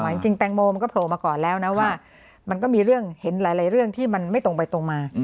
จริงแตงโมมันก็โผล่มาก่อนแล้วนะว่ามันก็มีเรื่องเห็นหลายเรื่องที่มันไม่ตรงไปตรงมา